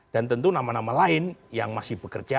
dan tentu nama nama lain yang masih bekerja